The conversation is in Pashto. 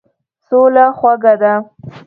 سوله خوږه ده.